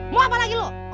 mau apa lagi lu